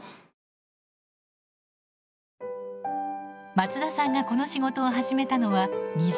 松田さんがこの仕事を始めたのは２０年前。